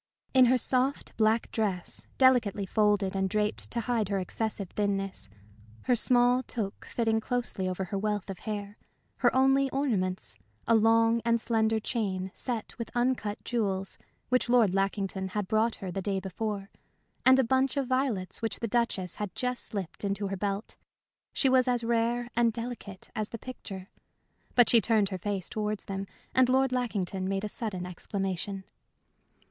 In her soft, black dress, delicately folded and draped to hide her excessive thinness, her small toque fitting closely over her wealth of hair, her only ornaments a long and slender chain set with uncut jewels which Lord Lackington had brought her the day before, and a bunch of violets which the Duchess had just slipped into her belt, she was as rare and delicate as the picture. But she turned her face towards them, and Lord Lackington made a sudden exclamation.